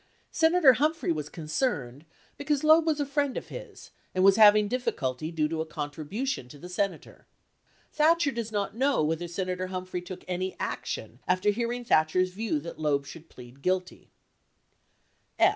Senator Humphrey was concerned because Loeb was a friend of his and was having diffi culty due to a contribution to the Senator. Thatcher does not know whether Senator Humphrey took any action after hearing Thatcher's view that Loeb should plead guilty.